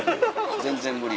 全然無理。